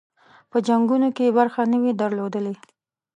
په جنګونو کې برخه نه وي درلودلې.